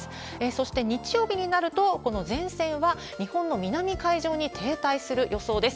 そして日曜日になると、この前線は、日本の南海上に停滞する予想です。